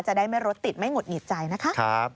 จะได้ไม่รถติดไม่หุดหงิดใจนะคะ